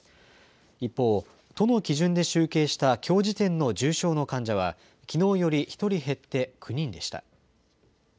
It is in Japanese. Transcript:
一方、都の基準で集計したきょう時点の重症の患者は、きのうより１人減って９人でした。